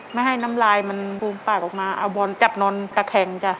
แม่ให้น้ำลายมันปลูกปากออกมาเอาบอลจับนอนกระแข็ง